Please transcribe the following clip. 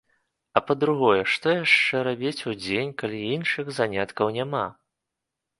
А па-другое, што яшчэ рабіць удзень, калі іншых заняткаў няма?